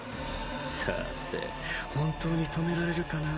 さて本当に止められるかなぁ？